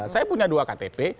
saya punya dua ektp